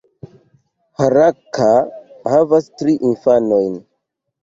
Harakka havas tri infanojn.